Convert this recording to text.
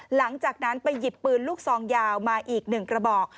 หลังจากนั้นไปหยิบปืนลูกซองยาวมาอีก๑กระบอก